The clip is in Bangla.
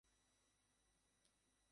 তিনি গ্যাবার্ডিনের উদ্ভাবক হিসেবেও পরিচিত।